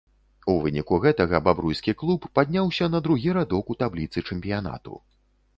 У выніку гэтага бабруйскі клуб падняўся на другі радок у табліцы чэмпіянату.